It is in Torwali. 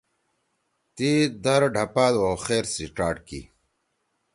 تی در ڈپھات او خیر سی چاٹ کی۔